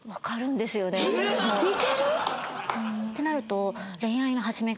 ってなると。